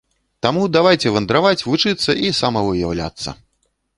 Таму давайце вандраваць, вучыцца і самавыяўляцца!